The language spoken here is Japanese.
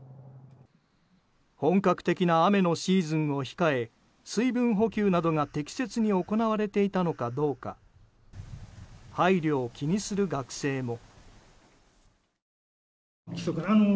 本格的な雨のシーズンを控え水分補給などが適切に行われていたのかどうか配慮を気にする学生も。